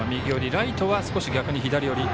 ライトは少し逆に左寄り。